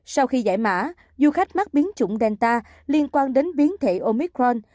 sau khi giải mã du khách mắc biến chủng delta liên quan đến biến thể omicron